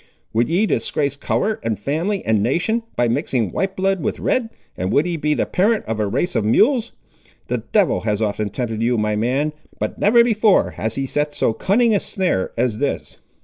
Would ye disgrace colour, and family, and nation, by mixing white blood with red, and would ye be the parent of a race of mules! The devil has often tempted you, my man, but never before has he set so cunning a snare as this.